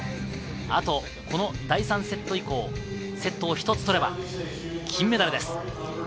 あと第３セット以降、セットを１つ取れば金メダルです。